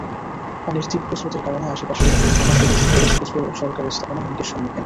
পানির তীব্র স্রোতের কারণে আশপাশের থানা সদরসহ বেশ কিছু সরকারি স্থাপনা হুমকির সম্মুখীন।